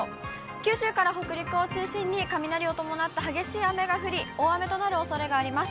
九州から北陸を中心に、雷を伴った激しい雨が降り、大雨となるおそれがあります。